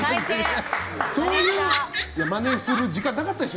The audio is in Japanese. まねする時間なかったでしょ。